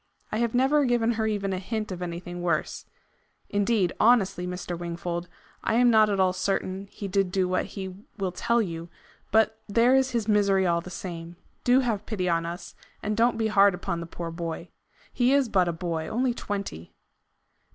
I have never given her even a hint of anything worse. Indeed, honestly, Mr. Wingfold, I am not at all certain he did do what he will tell you. But there is his misery all the same. Do have pity on us, and don't be hard upon the poor boy. He is but a boy only twenty."